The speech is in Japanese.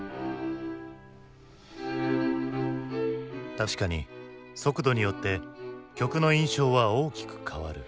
確かに速度によって曲の印象は大きく変わる。